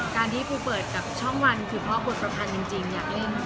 การที่ปูเปิดกับช่องวันคือพ่อบทประพันธ์จริงอยากเล่น